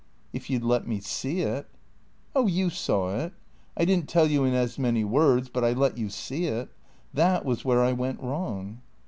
" If you 'd let me see it." " Oh, you saw it. I did n't tell you in as many words. But I let you see it. That was where I went wrong."